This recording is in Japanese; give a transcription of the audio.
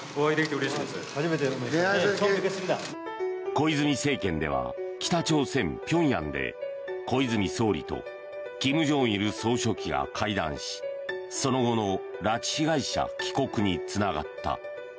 小泉政権では北朝鮮ピョンヤンで小泉総理と金正日総書記が会談しその後の拉致被害者帰国につながった。